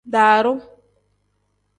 Daaru.